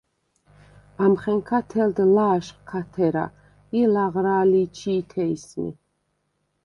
ამხენქა თელდ ლა̄შხ ქა თერა ი ლაღრა̄ლი̄ ჩი̄თე ისმი.